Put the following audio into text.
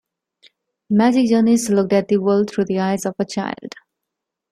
Magic Journeys looked at the world through the eyes of a child.